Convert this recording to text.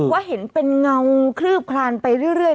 ว่าเห็นเป็นเงาคลือบคลานไปเรื่อย